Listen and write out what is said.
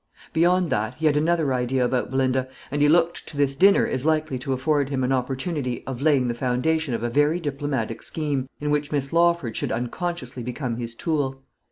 Beyond that, he had another idea about Belinda; and he looked to this dinner as likely to afford him an opportunity of laying the foundation of a very diplomatic scheme, in which Miss Lawford should unconsciously become his tool.